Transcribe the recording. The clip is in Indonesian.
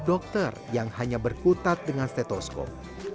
dokter yang hanya berkutat dengan stetoskop